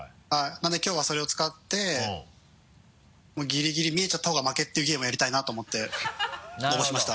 なんできょうはそれを使ってギリギリ見えちゃったほうが負けっていうゲームをやりたいなと思って応募しました